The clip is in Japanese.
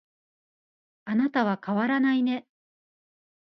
あなたは変わらないね